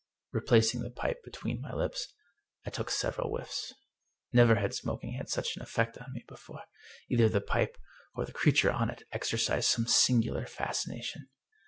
Replacing the pipe between my lips I took several whiffs. Never had smoking had such an effect on me before. Either the pipe, or the creature on it, exercised some singular fascination.